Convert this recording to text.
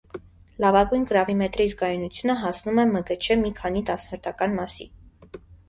Լավագույն գրավիմետրի զգայունությունը հասնում է մգչ մի քանի տասնորդական մասի։